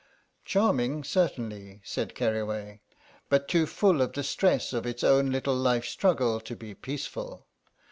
"Charming, certainly," said Keriway, "but too full of the stress of its own little life struggle to be peaceful.